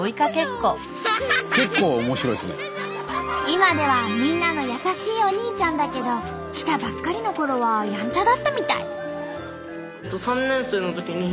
今ではみんなの優しいお兄ちゃんだけど来たばっかりのころはやんちゃだったみたい。